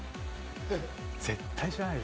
絶対知らない。